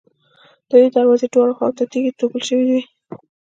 د دې دروازې دواړو خواوو ته تیږې توږل شوې وې.